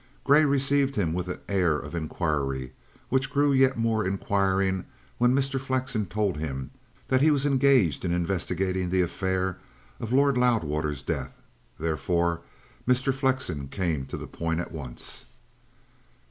Grey received him with an air of inquiry, which grew yet more inquiring when Mr. Flexen told him that he was engaged in investigating the affair of Lord Loudwater's death. Therefore, Mr. Flexen came to the point at once.